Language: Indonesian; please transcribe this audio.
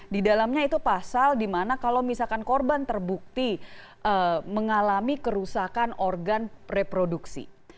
di dalamnya itu pasal di mana kalau misalkan korban terbukti mengalami kerusakan organ reproduksi